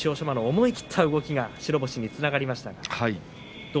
馬の思い切った動き白星につながりましたね。